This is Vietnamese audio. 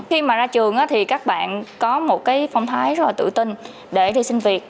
khi ra trường các bạn có một phong thái tự tin để đi sinh việc